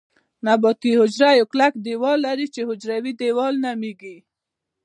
نباتي حجره یو کلک دیوال لري چې حجروي دیوال نومیږي